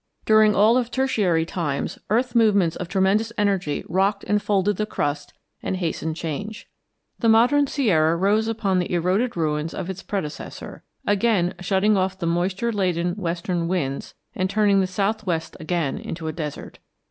During all of Tertiary times earth movements of tremendous energy rocked and folded the crust and hastened change. The modern Sierra rose upon the eroded ruins of its predecessor, again shutting off the moisture laden western winds and turning the southwest again into a desert.